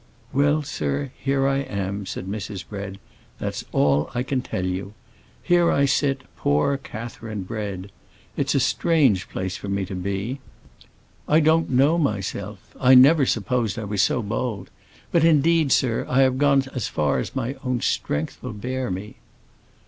"Well, sir, here I am!" said Mrs. Bread. "That's all I can tell you. Here I sit, poor Catherine Bread. It's a strange place for me to be. I don't know myself; I never supposed I was so bold. But indeed, sir, I have gone as far as my own strength will bear me."